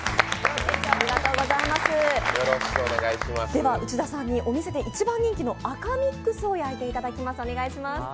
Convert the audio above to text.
では内田さんにお店で一番人気の赤ミックスを焼いていただきます。